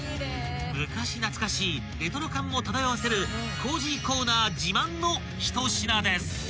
［昔懐かしいレトロ感も漂わせるコージーコーナー自慢の一品です］